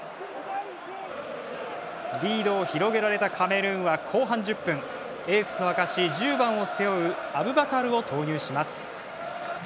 リードを広げられたカメルーンは後半１０分エースの証し、１０番を背負うアルバカルを投入します。